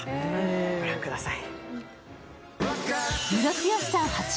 御覧ください。